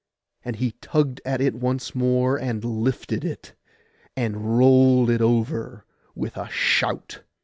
And he tugged at it once more, and lifted it, and rolled it over with a shout.